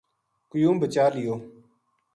قیوم بچا لیو